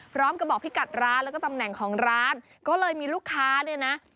พร้อมกับบอกพี่กัดร้านแล้วก็ตำแหน่งของร้านก็เลยมีลูกค้าเนี่ยนะ